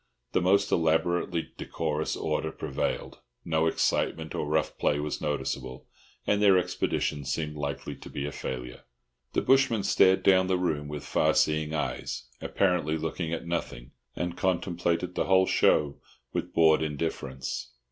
The most elaborately decorous order prevailed; no excitement or rough play was noticeable, and their expedition seemed likely to be a failure. The bushman stared down the room with far seeing eyes, apparently looking at nothing, and contemplated the whole show with bored indifference.